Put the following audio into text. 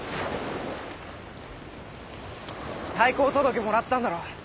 退校届もらったんだろ。